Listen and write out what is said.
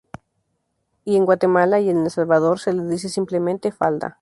Y en Guatemala y El Salvador se le dice simplemente falda.